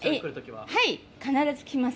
必ず来ます。